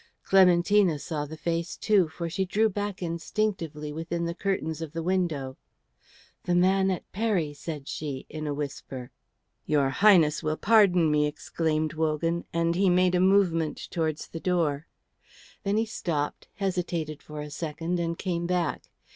Clementina saw the face too, for she drew back instinctively within the curtains of the window. "The man at Peri," said she, in a whisper. "Your Highness will pardon me," exclaimed Wogan, and he made a movement towards the door. Then he stopped, hesitated for a second, and came back.